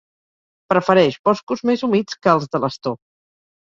Prefereix boscos més humits que els de l'astor.